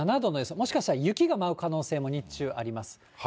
もしかしたら雪が舞う可能性も日中あります。